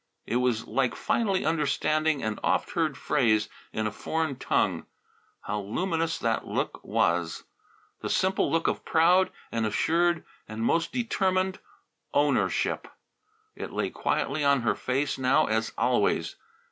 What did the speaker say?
It was like finally understanding an oft heard phrase in a foreign tongue. How luminous that look was now! The simple look of proud and assured and most determined ownership! It lay quietly on her face now as always.